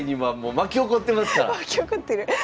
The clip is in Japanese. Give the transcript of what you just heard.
巻き起こってる？